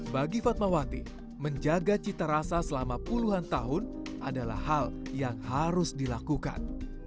bagi fatmawati menjaga cita rasa selama puluhan tahun adalah hal yang harus dilakukan